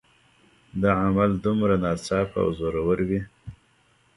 دا عمل دومره ناڅاپي او زوراور وي